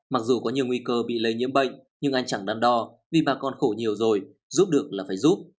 mặc dù có nhiều nguy cơ bị lây nhiễm bệnh nhưng anh chẳng đang đo vì bà con khổ nhiều rồi giúp được là phải giúp